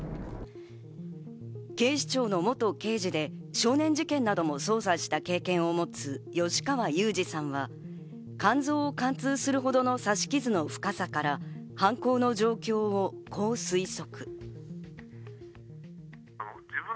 警視庁の元刑事で少年事件なども捜査した経験を持つ吉川祐二さんは、肝臓を貫通するほどの刺し傷の深さから犯行の状況をこう推測。